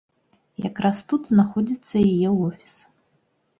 Якраз тут знаходзіцца яе офіс.